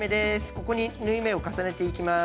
ここに縫い目を重ねていきます。